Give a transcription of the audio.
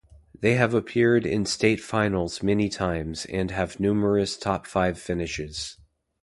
They have appeared in state finals many times and have numerous top five finishes.